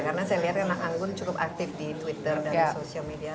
karena saya lihat kan anggun cukup aktif di twitter dan di sosial media